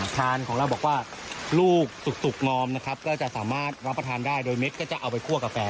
ทานของเราบอกว่าลูกสุกงอมนะครับก็จะสามารถรับประทานได้โดยเด็ดก็จะเอาไปคั่วกาแฟ